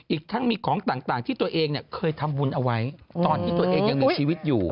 อีกทั้งมีของต่างที่ตัวเองเคยทำบุญเอาไว้ตอนที่ตัวเองยังมีชีวิตอยู่